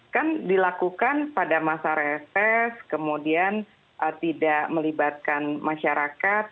kan dilakukan pada masa reses kemudian tidak melibatkan masyarakat